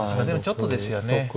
でもちょっとですよね。